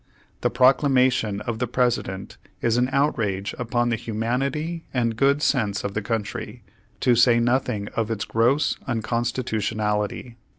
The proclamation of the President is an outrage upon the humanity and good sense of the country, to say nothing of its gross uncon stitutionality."